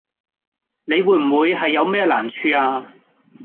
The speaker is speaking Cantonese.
你會唔會係有咩難處呀